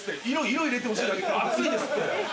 色入れてほしいだけ熱いですって。